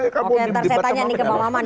oke ntar saya tanya nih ke bang maman